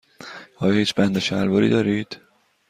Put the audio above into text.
آیا هیچ بند شلواری دارید؟